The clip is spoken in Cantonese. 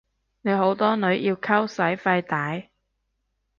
你好多女要溝使費大？